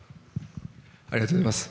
ありがとうございます。